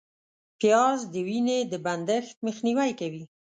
پیاز د وینې د بندښت مخنیوی کوي